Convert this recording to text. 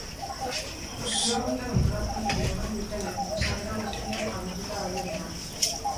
Azken orduetan antolatzaileek iragarri dutenez, sarrera guztiak agortuta daude jada.